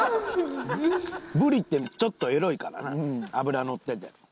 ブリってちょっとエロいからな脂のってて。